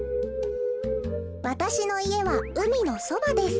「わたしのいえはうみのそばです。